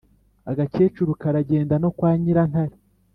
” agakecuru karagenda no kwa nyirantare